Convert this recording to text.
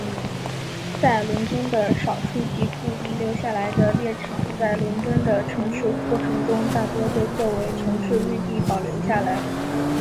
在伦敦的少数几处遗留下来的猎场在伦敦的城市化过程中大多被作为城市绿地保留下来。